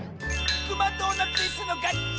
クマドーナツイスのかち！